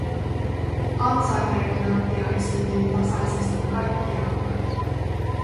Alzheimerin tautia esiintyy tasaisesti kaikkialla.